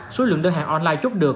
số lượng đơn hàng online chốt được